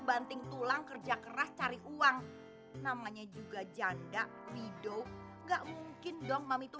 banting tulang kerja keras cari uang namanya juga janda widow enggak mungkin dong mami tuh